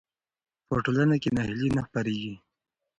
په ټولنه کې ناهیلي نه خپرېږي.